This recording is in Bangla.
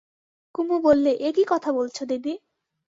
কুমু বললে, এ কী কথা বলছ দিদি!